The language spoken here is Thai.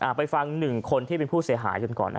ไปฟังหนึ่งคนที่เป็นผู้เสียหายกันก่อนนะ